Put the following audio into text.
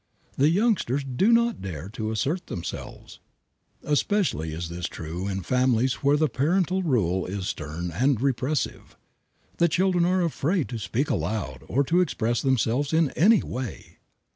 The youngsters do not dare to assert themselves. Especially is this true in families where the parental rule is stern and repressive. The children are afraid to speak aloud or to express themselves in any way.